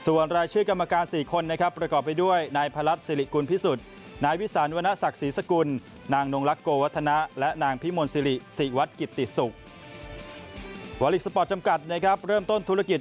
วาลิกสปอร์ตจำกัดเริ่มต้นธุรกิจ